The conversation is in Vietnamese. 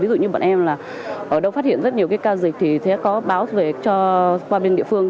ví dụ như bọn em là ở đâu phát hiện rất nhiều cái ca dịch thì sẽ có báo về cho qua bên địa phương